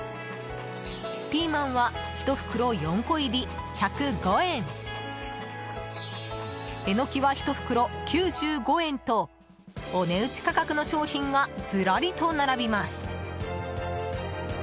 ピーマンは１袋４個入り１０５円エノキは１袋、９５円とお値打ち価格の商品がずらりと並びます。